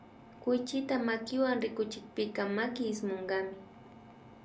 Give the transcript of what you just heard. Kuychita makiwan rikuchikpika maki ismunkami